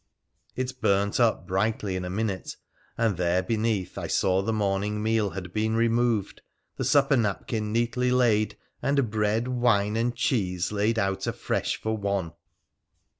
It burnt up brightly in a minute — and there beneath I saw the morning meal had been removed, the supper napkin neatly laid, and bread, wine, and cheese laid out afresh for one